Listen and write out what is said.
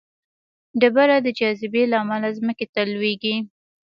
ډبره د جاذبې له امله ځمکې ته لویږي.